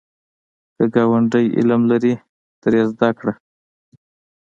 که ګاونډی علم لري، ترې زده کړه